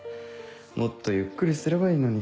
もっとゆっくりすればいいのに。